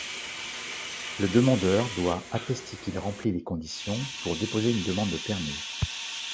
Le demandeur doit attester qu’il remplit les conditions pour déposer une demande de permis.